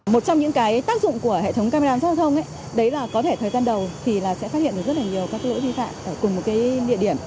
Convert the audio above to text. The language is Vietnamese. một trong những tác dụng của hệ thống camera giao thông có thể thời gian đầu sẽ phát hiện rất nhiều các lỗi vi phạm ở cùng một địa điểm